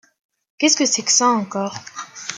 Qu’est-ce que c’est que ça, encore ?